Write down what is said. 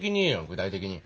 具体的に。